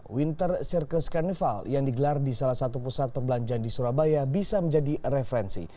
winter circus carnival yang digelar di salah satu pusat perbelanjaan di surabaya bisa menjadi referensi